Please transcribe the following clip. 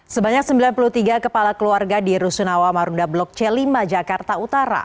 sebanyak sembilan puluh tiga kepala keluarga di rusunawa marunda blok c lima jakarta utara